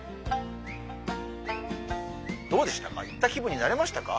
どうでしたか？